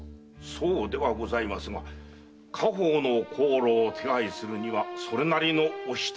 そうではございますが家宝の香炉を手配するにはそれなりのお支度もございます。